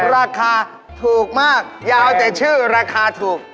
ราคาถูกมากยาวแต่ชื่อราคาถูก